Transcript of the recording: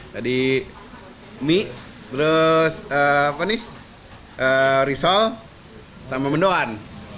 tadi mie terus risol sama mendoan